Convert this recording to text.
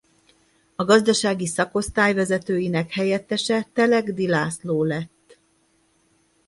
A gazdasági szakosztály vezetőinek helyettese Telegdy László lett.